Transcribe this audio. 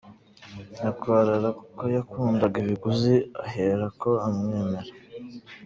Nyankwarara kuko yakundaga ibiguzi, ahera ko amwemerera.